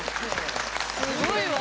すごいわ。